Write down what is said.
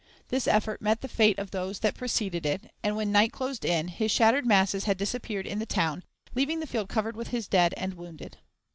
This effort met the fate of those that preceded it, and, when night closed in, his shattered masses had disappeared in the town, leaving the field covered with his dead and wounded.